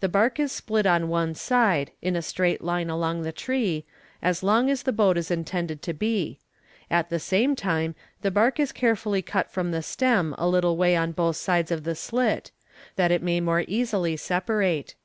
The bark is split on one side, in a straight line along the tree, as long as the boat is intended to be; at the same time the bark is carefully cut from the stem a little way on both sides of the slit, that it may more easily separate.